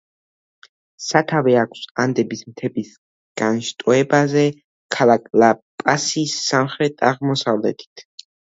სათავე აქვს ანდების მთების განშტოებაზე, ქალაქ ლა-პასის სამხრეთ-აღმოსავლეთით.